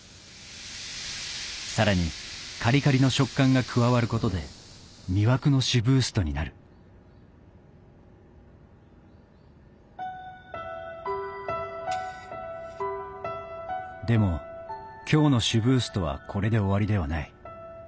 さらにカリカリの食感が加わることで魅惑のシブーストになるでも今日のシブーストはこれで終わりではない。